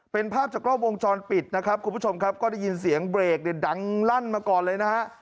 เป็นภาพจากกล้องวงจรปิดนะครับคุณผู้ชมครับก็ได้ยินเสียงเบรกเนี่ยดังลั่นมาก่อนเลยนะฮะ